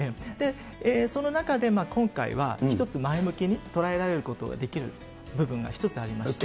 その中で、今回は、一つ前向きに捉えられることができる部分が一つありまして。